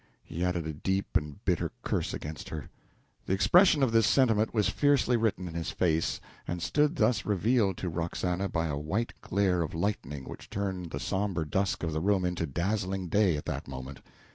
He added a deep and bitter curse against her. The expression of this sentiment was fiercely written in his face, and stood thus revealed to Roxana by a white glare of lightning which turned the somber dusk of the room into dazzling day at that moment.